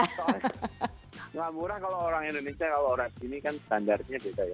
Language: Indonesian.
soalnya gak murah kalau orang indonesia kalau orang sini kan standarnya gitu ya